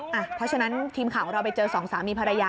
เพราะฉะนั้นทีมข่าวของเราไปเจอสองสามีภรรยา